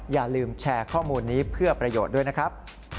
อย่าลืมแชร์ข้อมูลนี้เพื่อประโยชน์ด้วยนะครับ